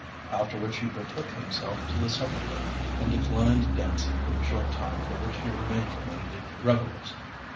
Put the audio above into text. After which he betook himself to the supper room, and declined dancing for the short time for which he remained among the revellers.